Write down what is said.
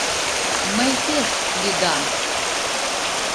Мый пеш лӱдам!..